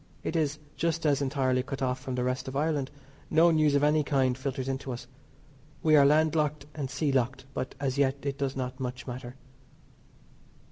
It is, just as entirely cut off from the rest of Ireland; no news of any kind filters in to us. We are land locked and sea locked, but, as yet, it does not much matter.